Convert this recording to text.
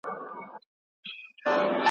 هره شېبه درس د قربانۍ لري `